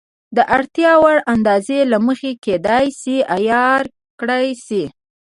د اړتیا وړ اندازې له مخې کېدای شي عیار کړای شي.